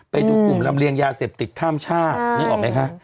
ไปดูกลุ่มลำเลียงยาเสพติดข้ามชาตินึกออกไหมคะ